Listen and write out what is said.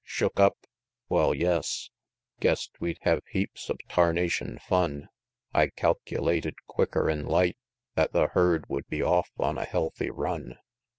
Shook up? Wal, yes Guess'd we hev heaps of tarnation fun; I calculated quicker'n light That the herd would be off on a healthy run.